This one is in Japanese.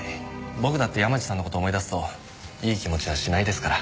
僕だって山路さんの事を思い出すといい気持ちはしないですから。